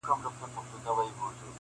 د لمر رڼا هم کمزورې ښکاري په هغه ځای,